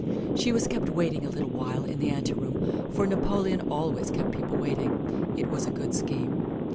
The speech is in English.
She was kept waiting a little while in the anteroom, for Napoleon always kept people waiting it was a good scheme.